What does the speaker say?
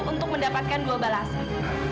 untuk mendapatkan dua balasan